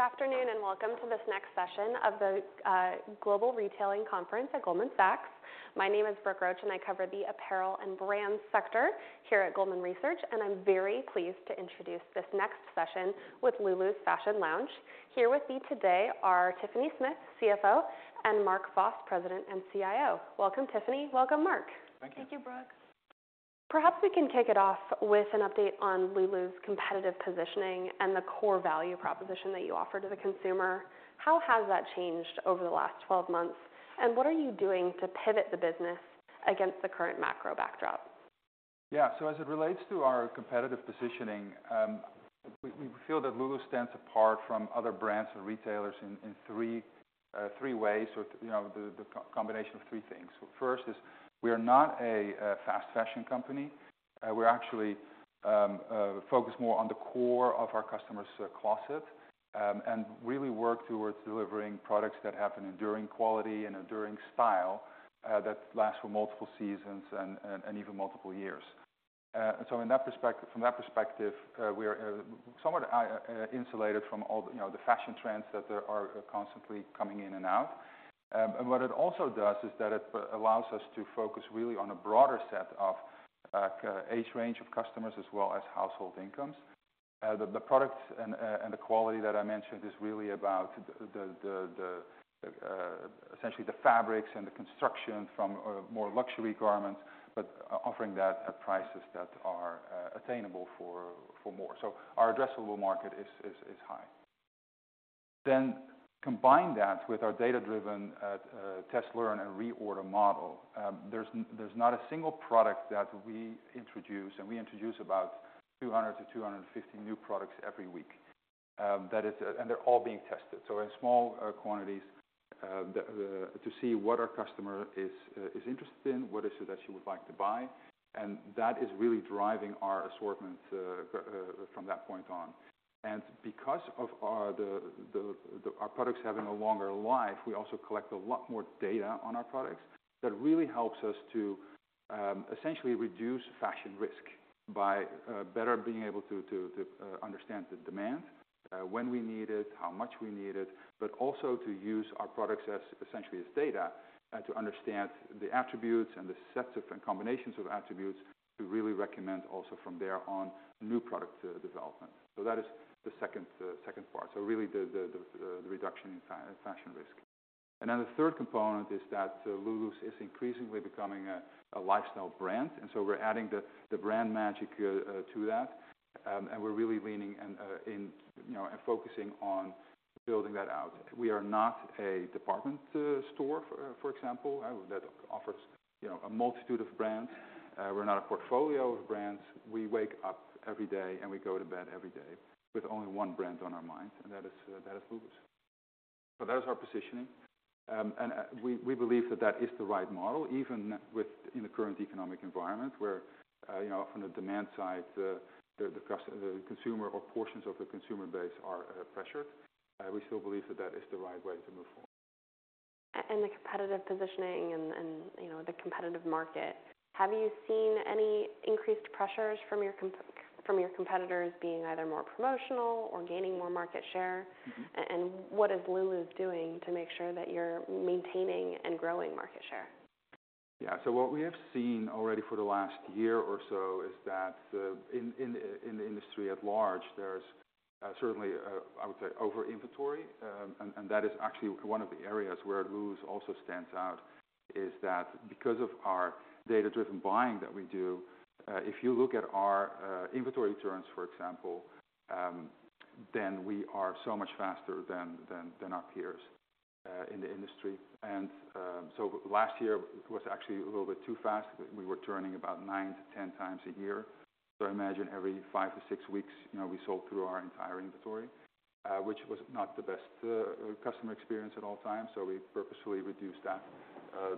Good afternoon, and welcome to this next session of the Global Retailing Conference at Goldman Sachs. My name is Brooke Roach, and I cover the apparel and brand sector here at Goldman Research, and I'm very pleased to introduce this next session with Lulu's Fashion Lounge. Here with me today are Tiffany Smith, CFO, and Mark Vos, President and CIO. Welcome, Tiffany. Welcome, Mark. Thank you. Thank you, Brooke. Perhaps we can kick it off with an update on Lulu's competitive positioning and the core value proposition that you offer to the consumer. How has that changed over the last 12 months, and what are you doing to pivot the business against the current macro backdrop? Yeah. So as it relates to our competitive positioning, we feel that Lulu's stands apart from other brands or retailers in three ways or, you know, the combination of three things. First is we are not a fast fashion company. We're actually focused more on the core of our customer's closet and really work towards delivering products that have an enduring quality and enduring style that lasts for multiple seasons and even multiple years. So in that perspective... From that perspective, we are somewhat insulated from all the, you know, the fashion trends that are constantly coming in and out. And what it also does is that it allows us to focus really on a broader set of age range of customers, as well as household incomes. The products and the quality that I mentioned is really about essentially the fabrics and the construction from more luxury garments, but offering that at prices that are attainable for more. So our addressable market is high. Then combine that with our data-driven test, learn, and reorder model. There's not a single product that we introduce, and we introduce about 200-250 new products every week. That is, and they're all being tested, so in small quantities to see what our customer is interested in, what is it that she would like to buy, and that is really driving our assortment from that point on. And because of our products having a longer life, we also collect a lot more data on our products. That really helps us to essentially reduce fashion risk by better being able to understand the demand when we need it, how much we need it, but also to use our products as essentially data to understand the attributes and the sets of and combinations of attributes, to really recommend also from there on new product development. So that is the second part. So really the reduction in fashion risk. And then the third component is that Lulu's is increasingly becoming a lifestyle brand, and so we're adding the brand magic to that. And we're really leaning in. You know, and focusing on building that out. We are not a department store, for example, that offers, you know, a multitude of brands. We're not a portfolio of brands. We wake up every day, and we go to bed every day with only one brand on our mind, and that is Lulu's. So that is our positioning. And we believe that is the right model, even within the current economic environment, where, you know, from the demand side, the consumer or portions of the consumer base are pressured. We still believe that that is the right way to move forward. The competitive positioning and, you know, the competitive market, have you seen any increased pressures from your competitors being either more promotional or gaining more market share? Mm-hmm. What is Lulu's doing to make sure that you're maintaining and growing market share? Yeah. So what we have seen already for the last year or so is that in the industry at large, there's certainly, I would say, over inventory. And that is actually one of the areas where Lulu's also stands out, is that because of our data-driven buying that we do, if you look at our inventory turns, for example, then we are so much faster than our peers in the industry. And so last year was actually a little bit too fast. We were turning about 9-10 times a year. So I imagine every five-six weeks, you know, we sold through our entire inventory, which was not the best customer experience at all times. So we purposefully reduced that,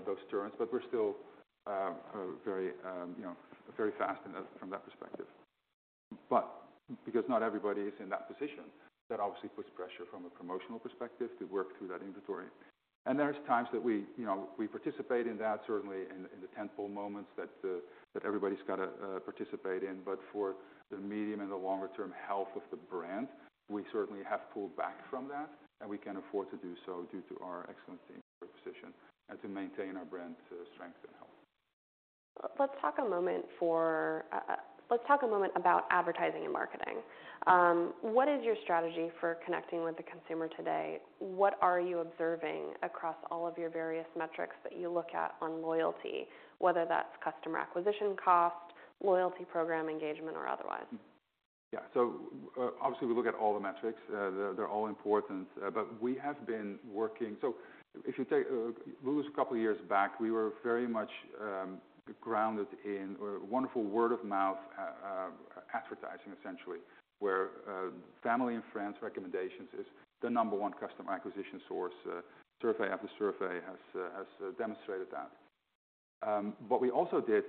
those turns, but we're still, you know, very fast from that perspective. But because not everybody is in that position, that obviously puts pressure from a promotional perspective to work through that inventory. And there's times that we, you know, we participate in that, certainly in the tentpole moments that everybody's got to participate in. But for the medium and the longer-term health of the brand, we certainly have pulled back from that, and we can afford to do so due to our excellent position and to maintain our brand's strength and health. Let's talk a moment about advertising and marketing. What is your strategy for connecting with the consumer today? What are you observing across all of your various metrics that you look at on loyalty, whether that's customer acquisition cost, loyalty program engagement, or otherwise? Yeah. So, obviously, we look at all the metrics. They're all important, but we have been working. So if you take Lulu's a couple of years back, we were very much grounded in wonderful word-of-mouth advertising essentially, where family and friends recommendations is the number one customer acquisition source. Survey after survey has demonstrated that. What we also did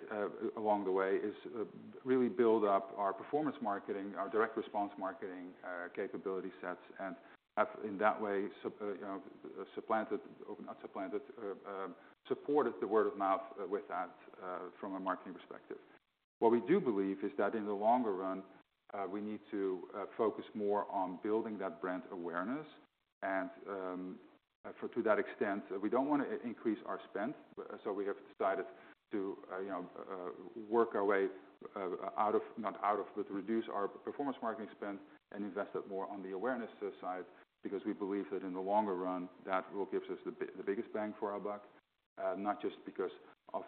along the way is really build up our performance marketing, our direct response marketing capability sets, and in that way, you know, supplanted, or not supplanted, supported the word of mouth with that from a marketing perspective... What we do believe is that in the longer run, we need to focus more on building that brand awareness. To that extent, we don't want to increase our spend, so we have decided to, you know, work our way out of, not out of, but reduce our performance marketing spend and invest it more on the awareness side, because we believe that in the longer run, that will gives us the biggest bang for our buck. Not just because of,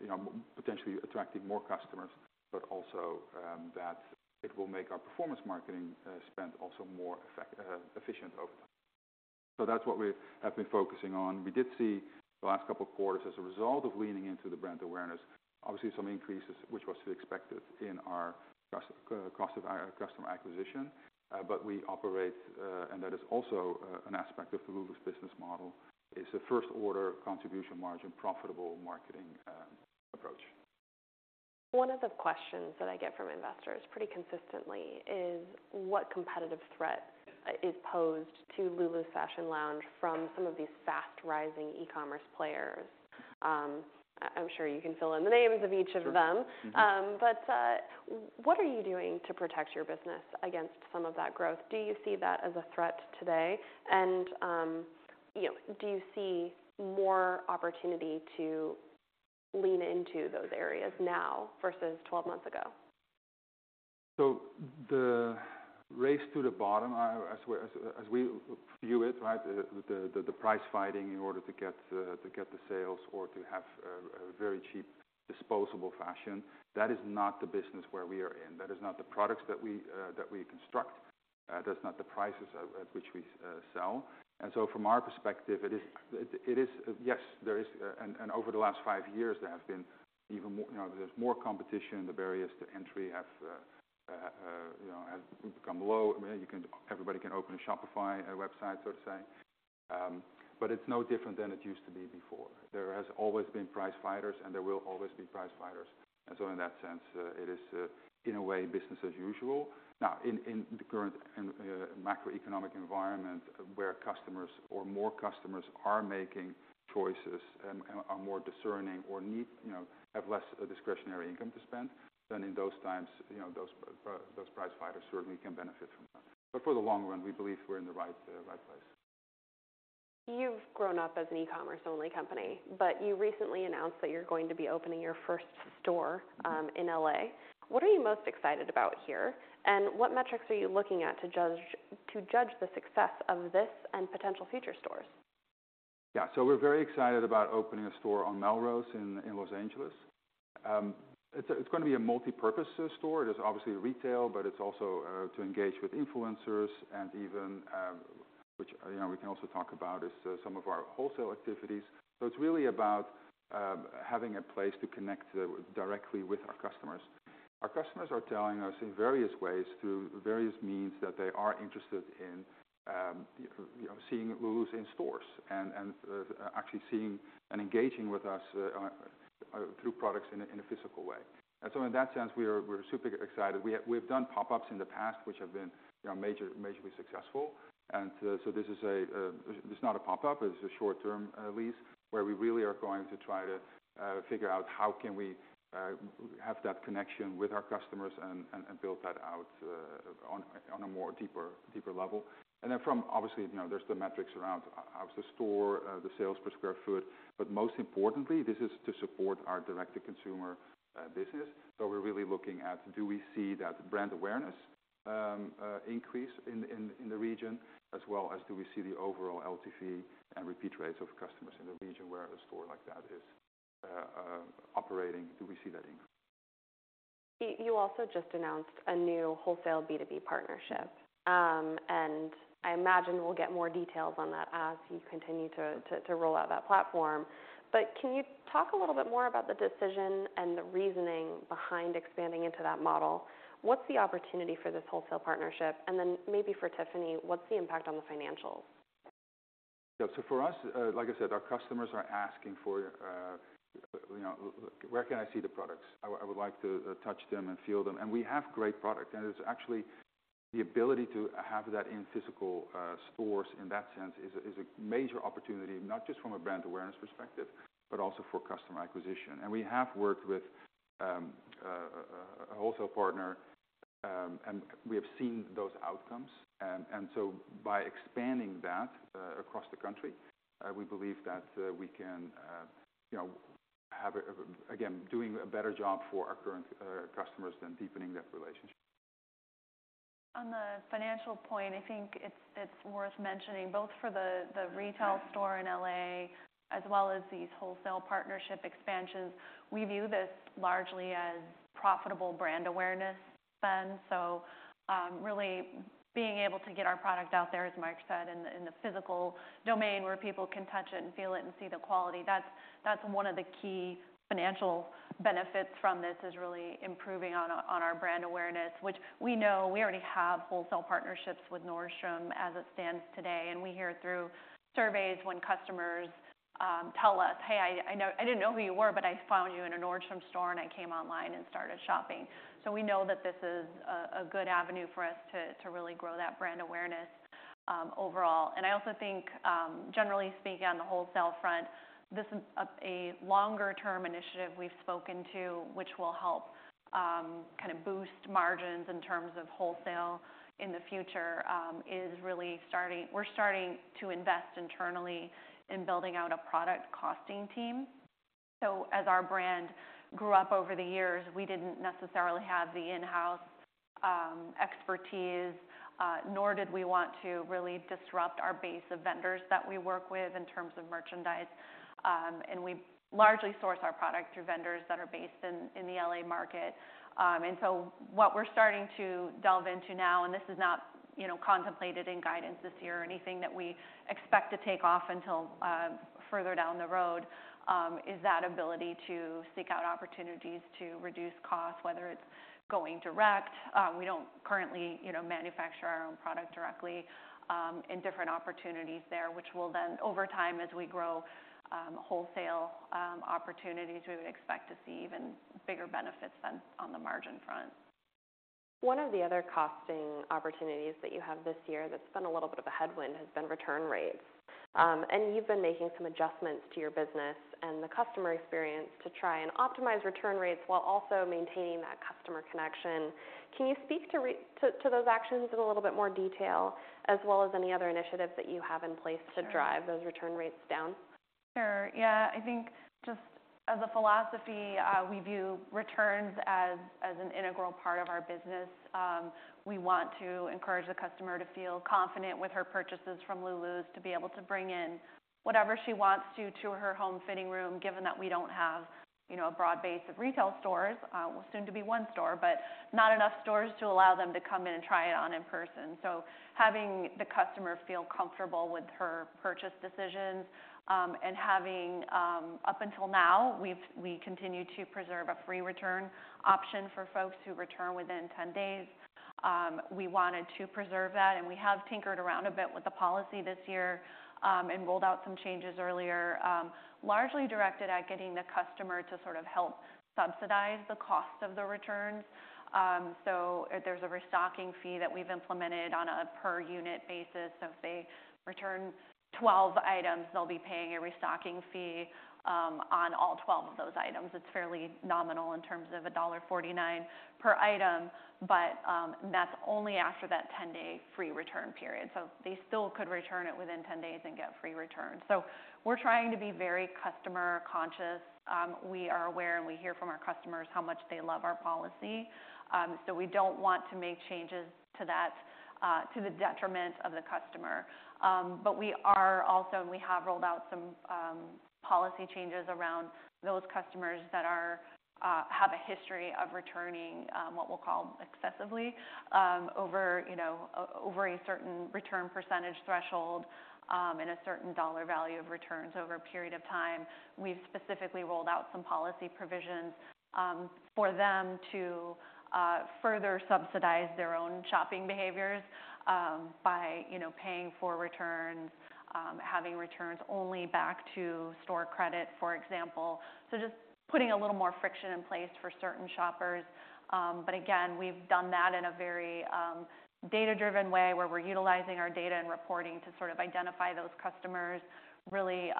you know, potentially attracting more customers, but also, that it will make our performance marketing spend also more effective over time. So that's what we have been focusing on. We did see the last couple of quarters as a result of leaning into the brand awareness, obviously, some increases, which was to be expected in our customer acquisition cost, but we operate, and that is also an aspect of the Lulu's business model. It's a first-order contribution margin, profitable marketing approach. One of the questions that I get from investors pretty consistently is: What competitive threat is posed to Lulu's Fashion Lounge from some of these fast-rising e-commerce players? I'm sure you can fill in the names of each of them. Sure. Mm-hmm. What are you doing to protect your business against some of that growth? Do you see that as a threat today? You know, do you see more opportunity to lean into those areas now versus 12 months ago? So the race to the bottom, as we view it, right? The price fighting in order to get the sales or to have a very cheap, disposable fashion, that is not the business where we are in. That is not the products that we construct, that's not the prices at which we sell. And so from our perspective, it is, yes, there is... And over the last five years, there have been even more, you know, there's more competition. The barriers to entry have, you know, have become low. Everybody can open a Shopify, a website, so to say. But it's no different than it used to be before. There has always been price fighters, and there will always be price fighters, and so in that sense, it is in a way, business as usual. Now, in the current macroeconomic environment, where customers or more customers are making choices and are more discerning or need, you know, have less discretionary income to spend, then in those times, you know, those price fighters certainly can benefit from that. But for the long run, we believe we're in the right right place. You've grown up as an e-commerce-only company, but you recently announced that you're going to be opening your first store, in L.A.. What are you most excited about here, and what metrics are you looking at to judge the success of this and potential future stores? Yeah. So we're very excited about opening a store on Melrose in L.A.. It's going to be a multipurpose store. It is obviously retail, but it's also to engage with influencers and even, which, you know, we can also talk about is, some of our wholesale activities. So it's really about having a place to connect directly with our customers. Our customers are telling us in various ways, through various means, that they are interested in, you know, seeing Lulu's in stores and actually seeing and engaging with us through products in a physical way. And so in that sense, we're super excited. We've done pop-ups in the past, which have been, you know, majorly successful. And so this is a... It's not a pop-up, it's a short-term lease, where we really are going to try to figure out how can we have that connection with our customers and build that out on a more deeper level. And then from obviously, you know, there's the metrics around how's the store the sales per square foot, but most importantly, this is to support our direct-to-consumer business. So we're really looking at: Do we see that brand awareness increase in the region? As well as, do we see the overall LTV and repeat rates of customers in the region where a store like that is operating, do we see that increase? You also just announced a new wholesale B2B partnership. And I imagine we'll get more details on that as you continue to roll out that platform. But can you talk a little bit more about the decision and the reasoning behind expanding into that model? What's the opportunity for this wholesale partnership? And then maybe for Tiffany, what's the impact on the financials? Yeah. So for us, like I said, our customers are asking for, you know, "Where can I see the products? I would, I would like to, touch them and feel them." And we have great products, and it's actually the ability to have that in physical stores in that sense is a major opportunity, not just from a brand awareness perspective, but also for customer acquisition. And we have worked with a wholesale partner, and we have seen those outcomes. And so by expanding that across the country, we believe that we can, you know, have, again, doing a better job for our current customers and deepening that relationship. On the financial point, I think it's worth mentioning, both for the retail store in L.A. as well as these wholesale partnership expansions, we view this largely as profitable brand awareness spend. So, really being able to get our product out there, as Mark said, in the physical domain, where people can touch it and feel it and see the quality, that's one of the key financial benefits from this, is really improving on our brand awareness, which we know we already have wholesale partnerships with Nordstrom as it stands today. We hear through surveys when customers tell us, "Hey, I didn't know who you were, but I found you in a Nordstrom store, and I came online and started shopping." So we know that this is a good avenue for us to really grow that brand awareness overall. And I also think, generally speaking, on the wholesale front, this is a longer-term initiative we've spoken to, which will help kind of boost margins in terms of wholesale in the future, is really starting. We're starting to invest internally in building out a product costing team. So as our brand grew up over the years, we didn't necessarily have the in-house expertise, nor did we want to really disrupt our base of vendors that we work with in terms of merchandise. We largely source our product through vendors that are based in the L.A. market. So what we're starting to delve into now, and this is not, you know, contemplated in guidance this year, or anything that we expect to take off until further down the road, is that ability to seek out opportunities to reduce costs, whether it's going direct. We don't currently, you know, manufacture our own product directly, in different opportunities there, which will then over time, as we grow, wholesale opportunities, we would expect to see even bigger benefits then on the margin front. One of the other costing opportunities that you have this year that's been a little bit of a headwind, has been return rates. And you've been making some adjustments to your business and the customer experience to try and optimize return rates while also maintaining that customer connection. Can you speak to those actions in a little bit more detail, as well as any other initiatives that you have in place to drive those return rates down? Sure. Yeah, I think just as a philosophy, we view returns as an integral part of our business. We want to encourage the customer to feel confident with her purchases from Lulu's, to be able to bring in whatever she wants to her home fitting room, given that we don't have, you know, a broad base of retail stores. Well, soon to be one store, but not enough stores to allow them to come in and try it on in person. So having the customer feel comfortable with her purchase decisions, and having... Up until now, we continue to preserve a free return option for folks who return within 10 days. We wanted to preserve that, and we have tinkered around a bit with the policy this year, and rolled out some changes earlier, largely directed at getting the customer to sort of help subsidize the cost of the returns. So there's a restocking fee that we've implemented on a per unit basis. So if they return 12 items, they'll be paying a restocking fee on all 12 of those items. It's fairly nominal in terms of $1.49 per item, but that's only after that 10-day free return period. So they still could return it within 10 days and get free return. So we're trying to be very customer conscious. We are aware, and we hear from our customers how much they love our policy, so we don't want to make changes to that to the detriment of the customer. But we are also, and we have rolled out some policy changes around those customers that are have a history of returning what we'll call excessively over, you know, over a certain return percentage threshold and a certain dollar value of returns over a period of time. We've specifically rolled out some policy provisions for them to further subsidize their own shopping behaviors by, you know, paying for returns, having returns only back to store credit, for example. So just putting a little more friction in place for certain shoppers. But again, we've done that in a very data-driven way, where we're utilizing our data and reporting to sort of identify those customers. Really,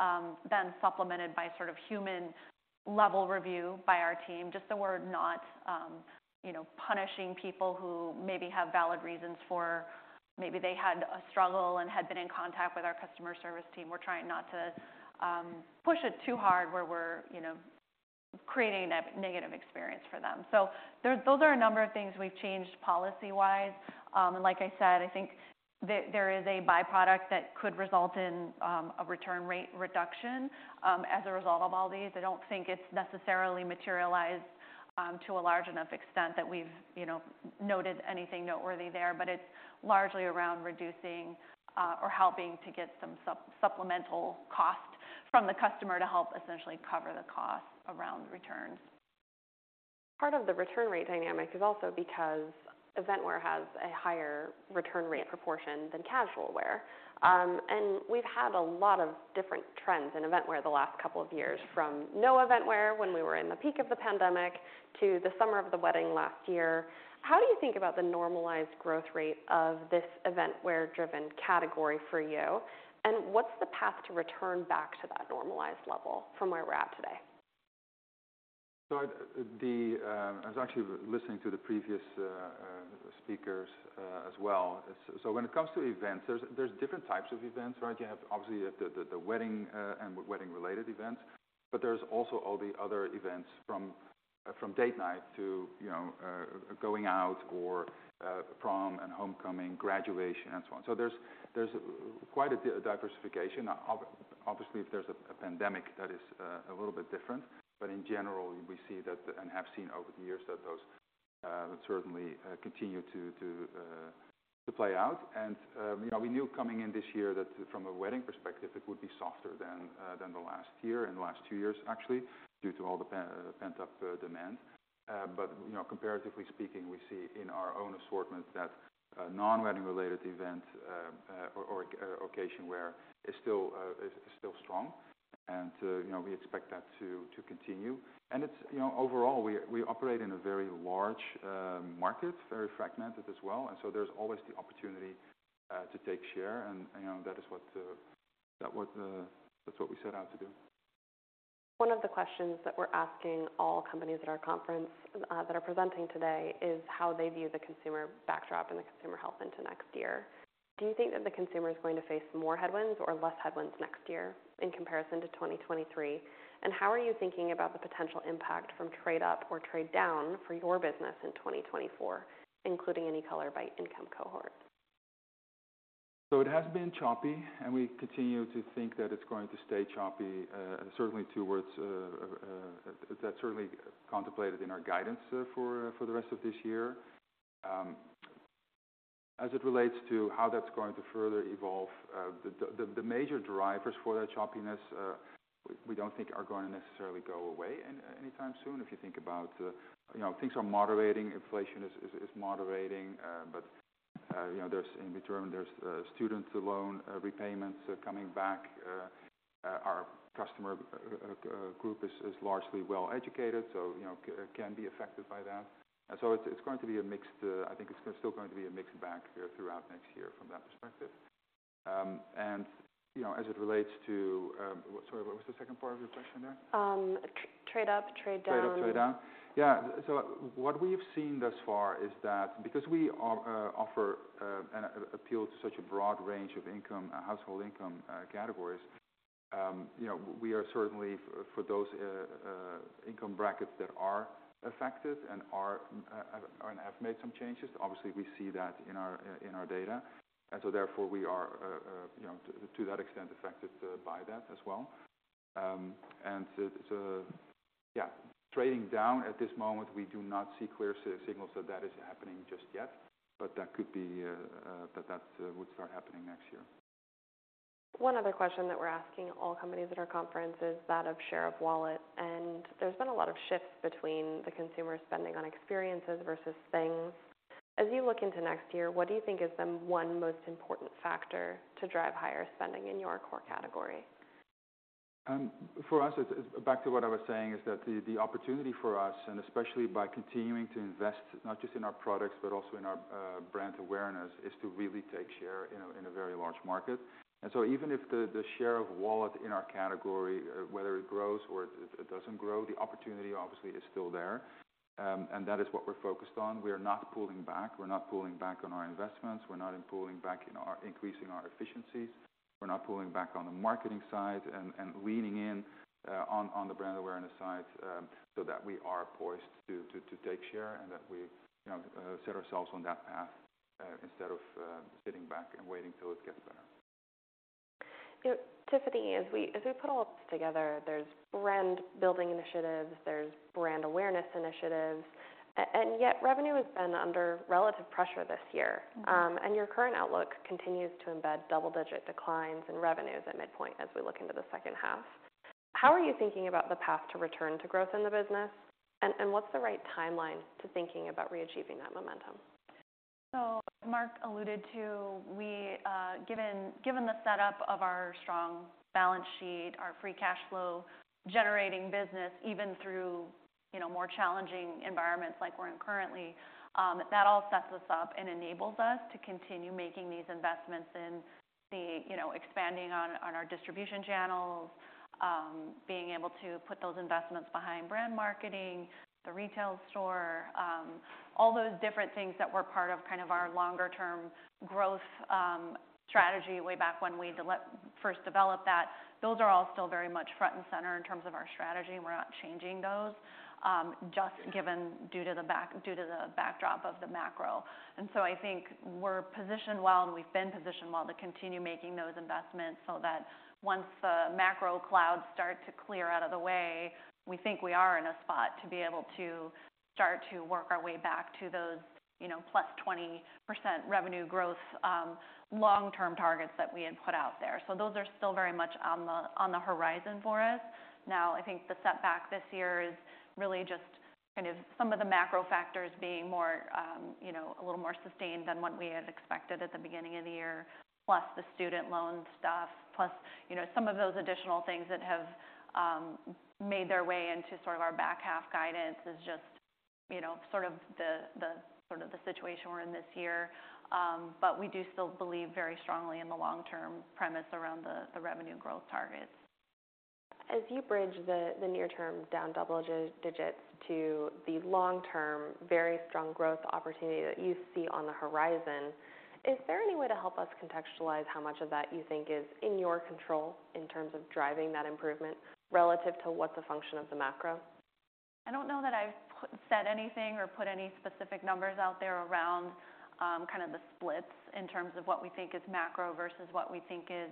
then supplemented by sort of human-level review by our team, just so we're not, you know, punishing people who maybe have valid reasons for... Maybe they had a struggle and had been in contact with our customer service team. We're trying not to push it too hard, where we're, you know, creating a negative experience for them. So, those are a number of things we've changed policy-wise. And like I said, I think there is a byproduct that could result in a return rate reduction as a result of all these. I don't think it's necessarily materialized to a large enough extent that we've, you know, noted anything noteworthy there, but it's largely around reducing or helping to get some supplemental cost from the customer to help essentially cover the cost around returns. Part of the return rate dynamic is also because event wear has a higher return rate proportion than casual wear. And we've had a lot of different trends in event wear the last couple of years, from no event wear when we were in the peak of the pandemic, to the summer of the wedding last year. How do you think about the normalized growth rate of this event wear-driven category for you? And what's the path to return back to that normalized level from where we're at today? I was actually listening to the previous speakers as well. So when it comes to events, there's different types of events, right? You have obviously the wedding and wedding-related events, but there's also all the other events from date night to, you know, going out or prom and homecoming, graduation, and so on. So there's quite a diversification. Obviously, if there's a pandemic, that is a little bit different, but in general, we see that, and have seen over the years, that those certainly continue to play out. And, you know, we knew coming in this year, that from a wedding perspective, it would be softer than the last year and the last two years, actually, due to all the pent-up demand. But, you know, comparatively speaking, we see in our own assortment that non-wedding related event or occasion wear is still strong, and, you know, we expect that to continue. And it's... You know, overall, we operate in a very large market, very fragmented as well, and so there's always the opportunity to take share, and, you know, that's what we set out to do. One of the questions that we're asking all companies at our conference that are presenting today is how they view the consumer backdrop and the consumer health into next year. Do you think that the consumer is going to face more headwinds or less headwinds next year in comparison to 2023? And how are you thinking about the potential impact from trade up or trade down for your business in 2024, including any color by income cohort? So it has been choppy, and we continue to think that it's going to stay choppy, certainly towards, that's certainly contemplated in our guidance for the rest of this year. As it relates to how that's going to further evolve, the major drivers for that choppiness, we don't think are going to necessarily go away anytime soon. If you think about, you know, things are moderating, inflation is moderating, but, you know, there's in between, there's student loan repayments coming back. Our customer group is largely well-educated, so, you know, can be affected by that. And so it's going to be a mixed, I think it's still going to be a mixed bag throughout next year from that perspective. You know, as it relates to, sorry, what was the second part of your question there? Trade up, trade down. Trade up, trade down. Yeah, so what we've seen thus far is that because we offer and appeal to such a broad range of income, household income, categories, you know, we are certainly for those income brackets that are affected and are and have made some changes. Obviously, we see that in our data, and so therefore, we are, you know, to that extent, affected by that as well. And so, yeah, trading down at this moment, we do not see clear signals that that is happening just yet, but that could be that would start happening next year. One other question that we're asking all companies at our conference is that of share of wallet, and there's been a lot of shifts between the consumer spending on experiences versus things. As you look into next year, what do you think is the one most important factor to drive higher spending in your core category? For us, it's back to what I was saying, is that the, the opportunity for us, and especially by continuing to invest, not just in our products, but also in our, brand awareness, is to really take share in a, in a very large market. And so even if the, the share of wallet in our category, whether it grows or it, it doesn't grow, the opportunity obviously is still there, and that is what we're focused on. We are not pulling back. We're not pulling back on our investments. We're not pulling back in our... increasing our efficiencies. We're not pulling back on the marketing side and leaning in on the brand awareness side, so that we are poised to take share and that we, you know, set ourselves on that path, instead of sitting back and waiting till it gets better. You know, Tiffany, as we, as we put all this together, there's brand building initiatives, there's brand awareness initiatives, and yet revenue has been under relative pressure this year. Mm-hmm. Your current outlook continues to embed double-digit declines in revenues at midpoint as we look into the second half. How are you thinking about the path to return to growth in the business? And what's the right timeline to thinking about re-achieving that momentum? So, Mark alluded to, given the setup of our strong balance sheet, our free cash flow generating business, even through, you know, more challenging environments like we're in currently, that all sets us up and enables us to continue making these investments in the, you know, expanding on our distribution channels, being able to put those investments behind brand marketing, the retail store, all those different things that were part of kind of our longer term growth strategy way back when we first developed that. Those are all still very much front and center in terms of our strategy, and we're not changing those, just given due to the backdrop of the macro. And so I think we're positioned well, and we've been positioned well to continue making those investments so that once the macro clouds start to clear out of the way, we think we are in a spot to be able to start to work our way back to those, you know, plus 20% revenue growth, long-term targets that we had put out there. So those are still very much on the, on the horizon for us. Now, I think the setback this year is really just kind of some of the macro factors being more, you know, a little more sustained than what we had expected at the beginning of the year, plus the student loan stuff, plus, you know, some of those additional things that have made their way into sort of our back half guidance is just, you know, sort of the situation we're in this year. But we do still believe very strongly in the long-term premise around the revenue growth targets. As you bridge the near term down double digits to the long-term, very strong growth opportunity that you see on the horizon, is there any way to help us contextualize how much of that you think is in your control in terms of driving that improvement relative to what the function of the macro? I don't know that I've said anything or put any specific numbers out there around kind of the splits in terms of what we think is macro versus what we think is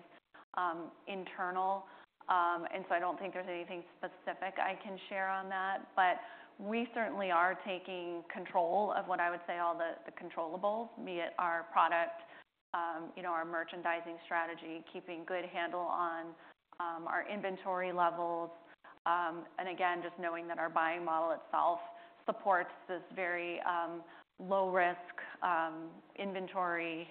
internal. So I don't think there's anything specific I can share on that, but we certainly are taking control of what I would say all the controllable, be it our product, you know, our merchandising strategy, keeping good handle on our inventory levels. And again, just knowing that our buying model itself supports this very low risk inventory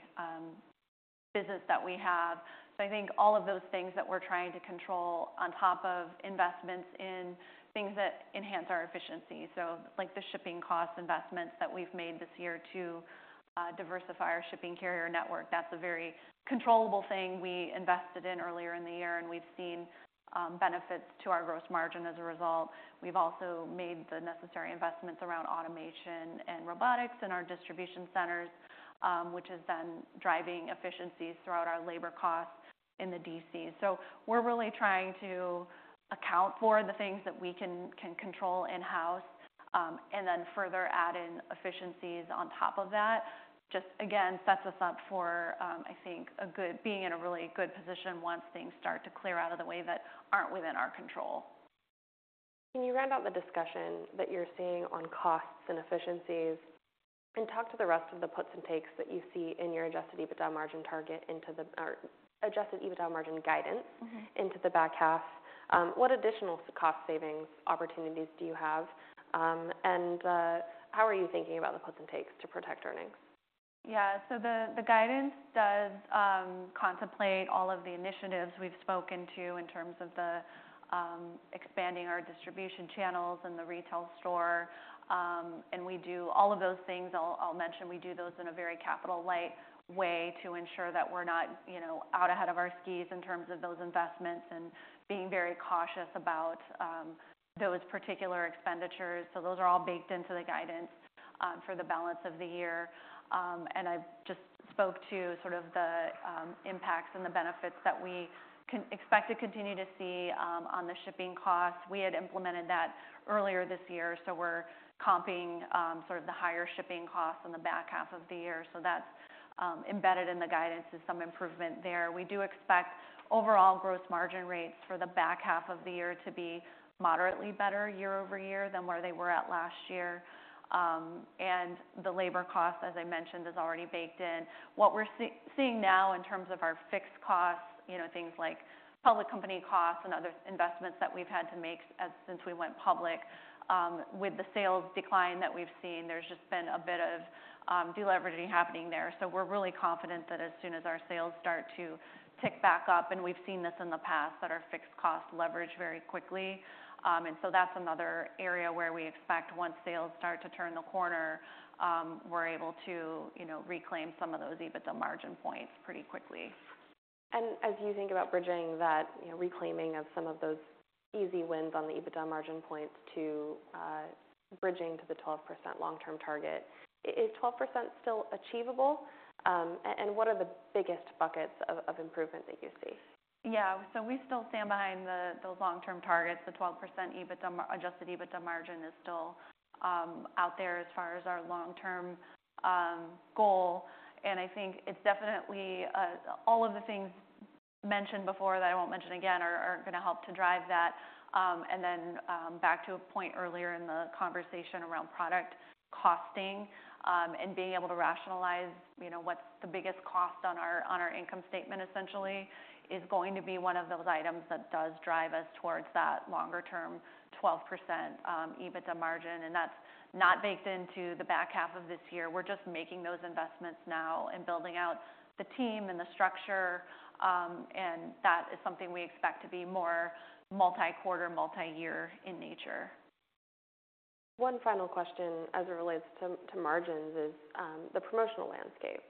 business that we have. So I think all of those things that we're trying to control on top of investments in things that enhance our efficiency. So like the shipping cost investments that we've made this year to diversify our shipping carrier network, that's a very controllable thing we invested in earlier in the year, and we've seen benefits to our gross margin as a result. We've also made the necessary investments around automation and robotics in our distribution centers, which is then driving efficiencies throughout our labor costs in the D.C.. So we're really trying to account for the things that we can control in-house, and then further add in efficiencies on top of that. Just again, sets us up for, I think, a good, being in a really good position once things start to clear out of the way that aren't within our control. Can you round out the discussion that you're seeing on costs and efficiencies, and talk to the rest of the puts and takes that you see in your Adjusted EBITDA margin target into the, or Adjusted EBITDA margin guidance - Mm-hmm. - into the back half? What additional cost savings opportunities do you have? And how are you thinking about the puts and takes to protect earnings? Yeah. So the guidance does contemplate all of the initiatives we've spoken to in terms of expanding our distribution channels and the retail store. And we do all of those things. I'll mention we do those in a very capital-light way to ensure that we're not, you know, out ahead of our skis in terms of those investments, and being very cautious about those particular expenditures. So those are all baked into the guidance for the balance of the year. And I just spoke to sort of the impacts and the benefits that we can expect to continue to see on the shipping costs. We had implemented that earlier this year, so we're comping sort of the higher shipping costs in the back half of the year. So that's embedded in the guidance is some improvement there. We do expect overall gross margin rates for the back half of the year to be moderately better year-over-year than where they were at last year. And the labor cost, as I mentioned, is already baked in. What we're seeing now in terms of our fixed costs, you know, things like public company costs and other investments that we've had to make, since we went public, with the sales decline that we've seen, there's just been a bit of deleveraging happening there. So we're really confident that as soon as our sales start to tick back up, and we've seen this in the past, that our fixed costs leverage very quickly. And so that's another area where we expect once sales start to turn the corner, we're able to, you know, reclaim some of those EBITDA margin points pretty quickly. As you think about bridging that, you know, reclaiming of some of those easy wins on the EBITDA margin points to bridging to the 12% long-term target, is 12% still achievable? And what are the biggest buckets of improvement that you see? Yeah. So we still stand behind those long-term targets. The 12% adjusted EBITDA margin is still out there as far as our long-term goal. And I think it's definitely all of the things mentioned before that I won't mention again are gonna help to drive that. And then back to a point earlier in the conversation around product costing and being able to rationalize, you know, what's the biggest cost on our on our income statement essentially is going to be one of those items that does drive us towards that longer-term 12% EBITDA margin, and that's not baked into the back half of this year. We're just making those investments now and building out the team and the structure, and that is something we expect to be more multi-quarter, multi-year in nature. One final question as it relates to margins is the promotional landscape.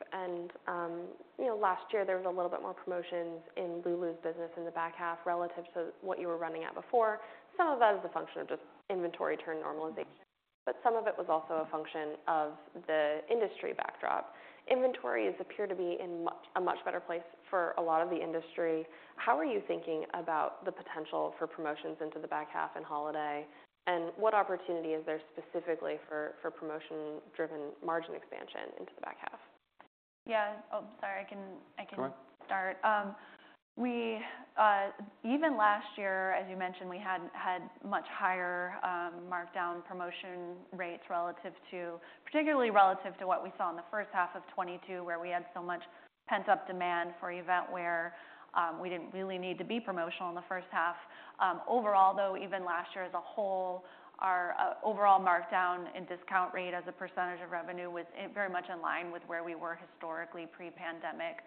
You know, last year there was a little bit more promotions in Lulu's business in the back half relative to what you were running at before. Some of that is a function of just inventory turn normalization, but some of it was also a function of the industry backdrop. Inventories appear to be in a much better place for a lot of the industry. How are you thinking about the potential for promotions into the back half and holiday? What opportunity is there specifically for promotion-driven margin expansion into the back half? Yeah. Oh, sorry, I can- Go ahead. I can start. We even last year, as you mentioned, we had had much higher markdown promotion rates relative to... Particularly relative to what we saw in the first half of 2022, where we had so much pent-up demand for event where we didn't really need to be promotional in the first half. Overall, though, even last year as a whole, our overall markdown and discount rate as a percentage of revenue was in very much in line with where we were historically pre-pandemic.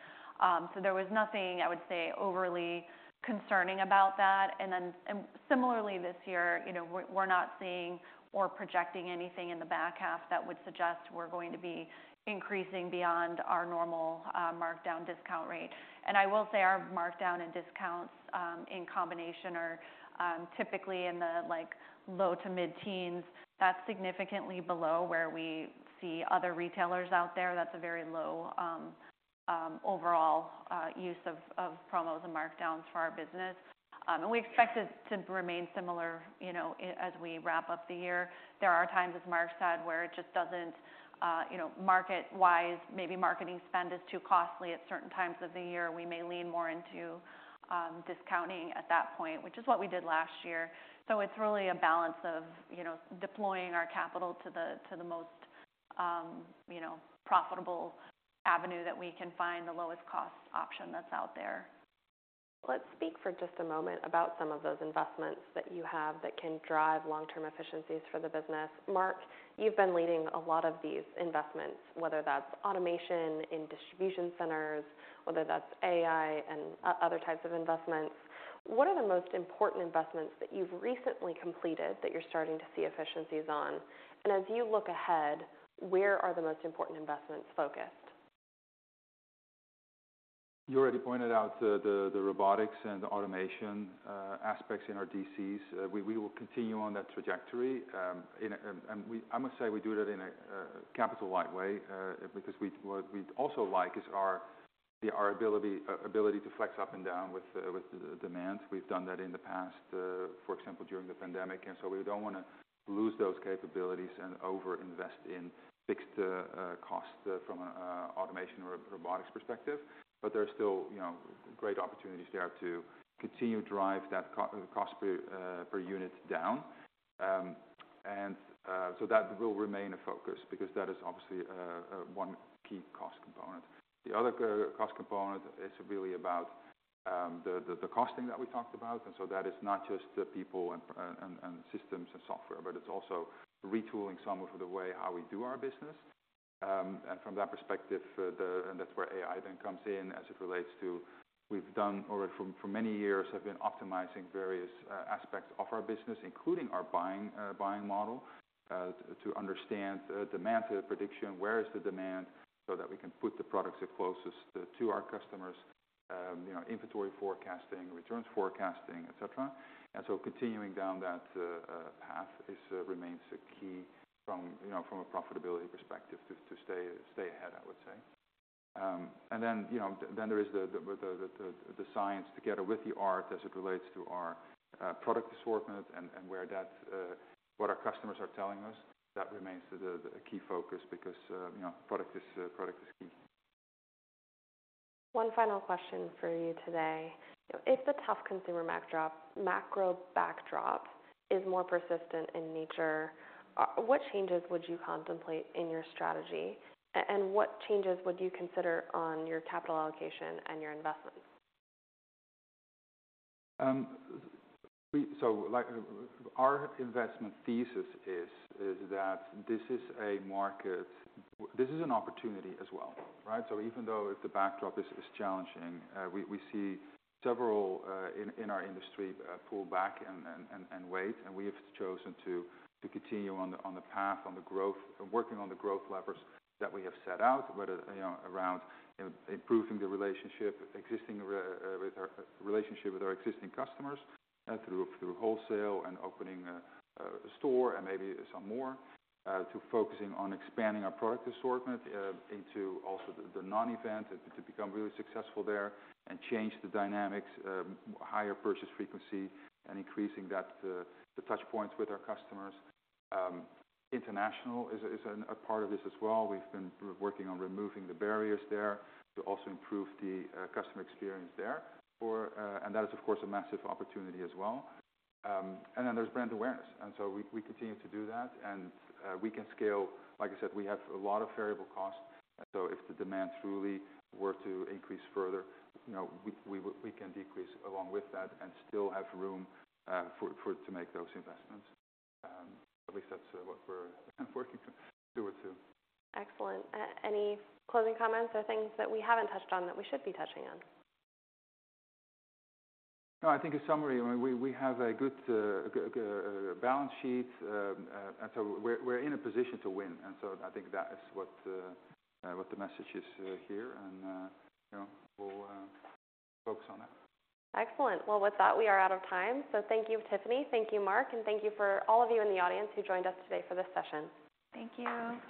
So there was nothing, I would say, overly concerning about that. And then, and similarly this year, you know, we're, we're not seeing or projecting anything in the back half that would suggest we're going to be increasing beyond our normal markdown discount rate. And I will say our markdown and discounts in combination are typically in the like low to mid-teens. That's significantly below where we see other retailers out there. That's a very low overall use of promos and markdowns for our business. And we expect it to remain similar, you know, as we wrap up the year. There are times, as Mark said, where it just doesn't, you know, market-wise, maybe marketing spend is too costly at certain times of the year. We may lean more into discounting at that point, which is what we did last year. So it's really a balance of, you know, deploying our capital to the most, you know, profitable avenue that we can find, the lowest cost option that's out there. Let's speak for just a moment about some of those investments that you have that can drive long-term efficiencies for the business. Mark, you've been leading a lot of these investments, whether that's automation in distribution centers, whether that's AI and other types of investments. What are the most important investments that you've recently completed that you're starting to see efficiencies on? And as you look ahead, where are the most important investments focused? You already pointed out the robotics and the automation aspects in our D.C.s. We will continue on that trajectory. I must say we do that in a capital light way, because what we'd also like is our ability to flex up and down with the demand. We've done that in the past, for example, during the pandemic, and so we don't wanna lose those capabilities and overinvest in fixed costs from an automation or robotics perspective. But there are still, you know, great opportunities there to continue to drive that cost per unit down. So that will remain a focus because that is obviously one key cost component. The other cost component is really about the costing that we talked about, and so that is not just the people and systems and software, but it's also retooling some of the way how we do our business. And from that perspective, and that's where AI then comes in, as it relates to... We've already for many years have been optimizing various aspects of our business, including our buying buying model to understand the demand prediction, where is the demand, so that we can put the products as closest to our customers. You know, inventory forecasting, returns forecasting, et cetera. And so continuing down that path is remains a key from, you know, from a profitability perspective to stay ahead, I would say. And then, you know, then there is the science together with the art as it relates to our product assortment and where that what our customers are telling us. That remains a key focus because, you know, product is key. One final question for you today: if the tough consumer backdrop, macro backdrop is more persistent in nature, what changes would you contemplate in your strategy? And what changes would you consider on your capital allocation and your investments? So, like, our investment thesis is that this is a market, this is an opportunity as well, right? So even though the backdrop is challenging, we see several in our industry pull back and wait, and we have chosen to continue on the path, working on the growth levers that we have set out, whether, you know, around improving the relationship with our existing customers, through wholesale and opening a store and maybe some more, to focusing on expanding our product assortment into also the non-event, to become really successful there and change the dynamics, higher purchase frequency and increasing the touch points with our customers. International is a part of this as well. We've been working on removing the barriers there to also improve the customer experience there. That is, of course, a massive opportunity as well. And then there's brand awareness, and so we continue to do that, and we can scale. Like I said, we have a lot of variable costs, and so if the demand truly were to increase further, you know, we can decrease along with that and still have room for to make those investments. At least that's what we're kind of working to do it to. Excellent. Any closing comments or things that we haven't touched on that we should be touching on? No, I think in summary, we have a good balance sheet, and so we're in a position to win, and so I think that is what the message is here, and, you know, we'll focus on it. Excellent. Well, with that, we are out of time. So thank you, Tiffany. Thank you, Mark, and thank you for all of you in the audience who joined us today for this session. Thank you.